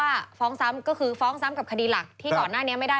แล้วก็ฟ้องซ้ำกับคดีหลักที่ก่อนหน้านี้ไม่ได้